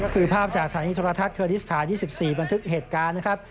คือภาพจากสายนิทราทักรดิสถา๒๔บันทึกเหตุการณ์นะครับ